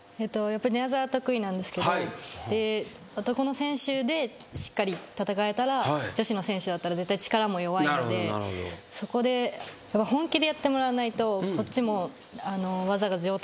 寝技得意なんですけど男の選手でしっかり戦えたら女子の選手だったら力も弱いのでそこで本気でやってもらわないとこっちも技が上達しないというか。